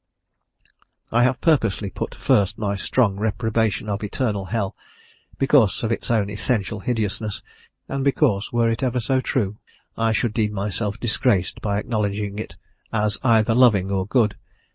I have purposely put first my strong reprobation of eternal hell, because of its own essential hideousness, and because, were it ever so true, I should deem myself disgraced by acknowledging it as either loving or good.